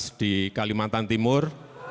luas di kalimantan timur